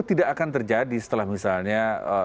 tidak akan terjadi setelah misalnya